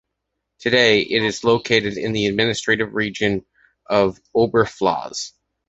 Today, it is located in the administrative region of Oberpfalz.